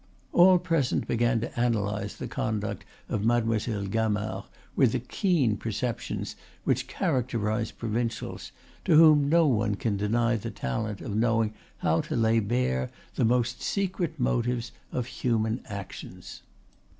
All present began to analyze the conduct of Mademoiselle Gamard with the keen perceptions which characterize provincials, to whom no one can deny the talent of knowing how to lay bare the most secret motives of human actions.